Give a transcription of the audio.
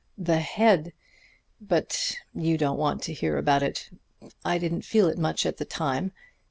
The head ... but you don't want to hear about it. I didn't feel it much at the time.